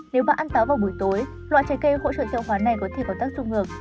nếu bạn ăn táo vào buổi tối loại trái cây hỗ trợ dầu hóa này có thể có tác dụng ngược